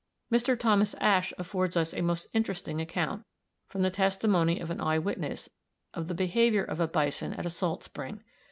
Mr. Thomas Ashe affords us a most interesting account, from the testimony of an eye witness, of the behavior of a bison at a salt spring.